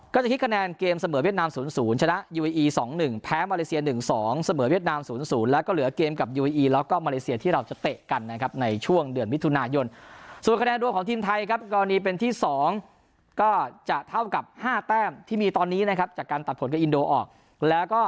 จะคิดคะแนนเกมเสมอเวียดนาม๐๐ชนะยูเออี๒๑แพ้มาเลเซีย๑๒เสมอเวียดนาม๐๐แล้วก็เหลือเกมกับยูเออีแล้วก็มาเลเซียที่เราจะเตะกันนะครับในช่วงเดือนมิถุนายนส่วนคะแนนรวมของทีมไทยครับกรณีเป็นที่๒ก็จะเท่ากับ๕แต้มที่มีตอนนี้นะครับจากการตัดผลกับอินโดออกแล้วก็